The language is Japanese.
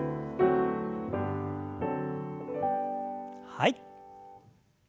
はい。